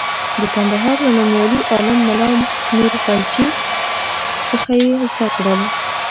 د کندهار له نومیالي عالم ملا نور غلجي څخه یې زده کړل.